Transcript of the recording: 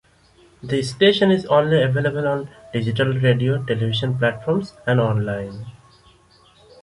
The station is only available on digital radio, television platforms and online.